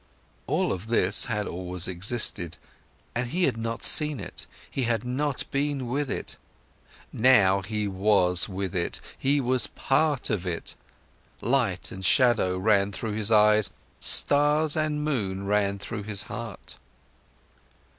All of this had always existed, and he had not seen it; he had not been with it. Now he was with it, he was part of it. Light and shadow ran through his eyes, stars and moon ran through his heart.